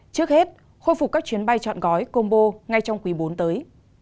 trước hết khôi phục các chuyến bay chọn gói combo ngay trong quý bốn tới